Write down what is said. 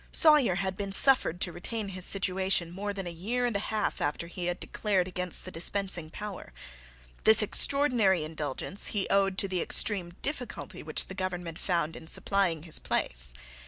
Sawyer had been suffered to retain his situation more than a year and a half after he had declared against the dispensing power. This extraordinary indulgence he owed to the extreme difficulty which the government found in supplying his place.